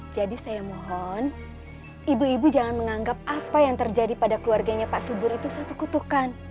jadi saya mohon ibu ibu jangan menganggap apa yang terjadi pada keluarganya pak subur itu satu kutukan